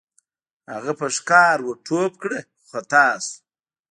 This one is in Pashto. هغه په ښکار ور ټوپ کړ خو خطا شو.